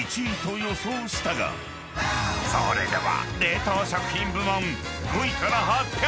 ［それでは］